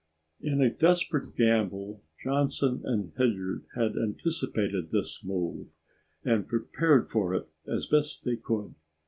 In a desperate gamble, Johnson and Hilliard had anticipated this move and prepared for it as best they could.